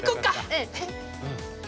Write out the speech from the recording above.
うん！